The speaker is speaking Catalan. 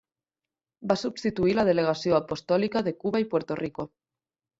Va substituir la delegació apostòlica de Cuba i Puerto Rico.